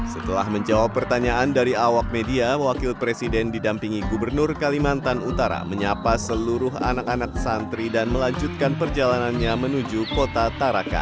setelah menjawab pertanyaan dari awak media wakil presiden didampingi gubernur kalimantan utara menyapa seluruh anak anak santri dan melanjutkan perjalanannya menuju kota tarakan